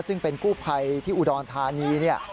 ซึ่งเป็นกู้ภัยที่อุดรธานีเนี่ย